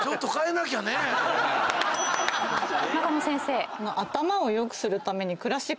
中野先生。